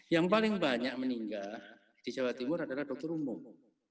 yang paling banyak meninggal di jawa timur adalah dokter umum